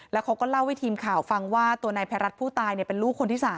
แล้วเขาก็เล่าให้ทีมข่าวฟังว่าตัวนายภัยรัฐผู้ตายเป็นลูกคนที่๓